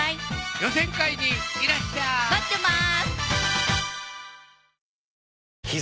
予選会にいらっしゃい待ってます